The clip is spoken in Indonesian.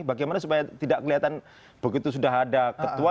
bagaimana supaya tidak kelihatan begitu sudah ada ketua